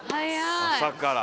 朝から。